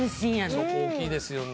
そこ大きいですよね。